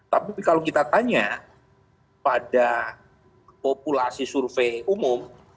tapi kalau kita tanya pada populasi survei umum